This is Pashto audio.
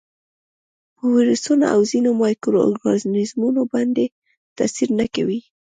په ویروسونو او ځینو مایکرو ارګانیزمونو باندې تاثیر نه کوي.